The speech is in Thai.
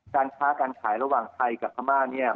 การค้าการขายระหว่างไทยกับพม่าเนี่ย